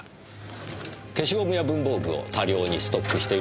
消しゴムや文房具を多量にストックしているのは不自然です。